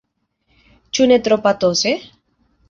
Ĉu ne tro patose?